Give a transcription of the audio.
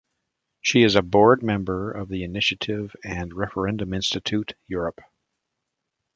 She is a Board Member of the Initiative and Referendum Institute Europe.